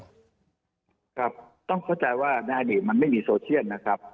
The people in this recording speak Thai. ครับต้องเข้าใจว่าในอดีตมันไม่มีโซเชียลนะครับ